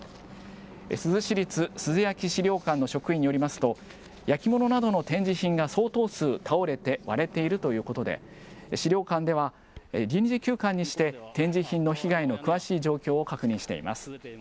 珠洲市立珠洲焼資料館の職員によりますと、焼き物などの展示品が相当数、倒れて割れているということで、資料館では、臨時休館にして、展示品の被害の詳しい状況を確認しています。